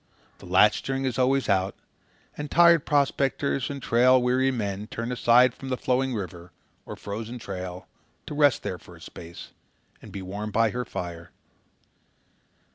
The latchstring is always out, and tired prospectors and trail weary men turn aside from the flowing river or frozen trail to rest there for a space and be warm by her fire.